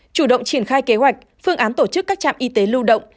chủ động triển khai kế hoạch phương án tổ chức các trạm y tế lưu động